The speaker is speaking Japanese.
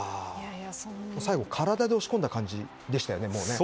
最後体で押し込んだ形でしたよね。